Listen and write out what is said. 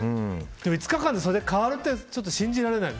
でも５日間でそれだけ変わるってまだ信じられない。